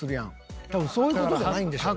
多分そういう事じゃないんでしょうね。